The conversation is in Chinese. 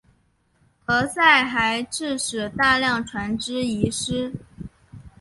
何塞还致使大量船只遗失。